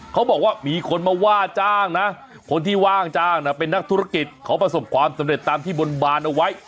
เขาบอกว่ามีคนมาว่าจ้างนะคนที่ว่างจ้างเป็นนักธุรกิจเขาประสบความสำเร็จตามที่บนบานเอาไว้